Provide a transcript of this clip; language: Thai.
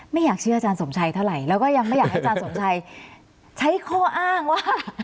ไม่อยากเชื่ออาจารย์สมชัยเท่าไหร่แล้วก็ยังไม่อยากให้อาจารย์สมชัยใช้ข้ออ้างว่า